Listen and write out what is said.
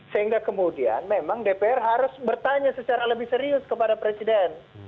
sehingga kemudian memang dpr harus bertanya secara lebih serius kepada presiden